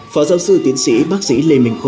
phó giáo sư tiến sĩ bác sĩ lê minh khôi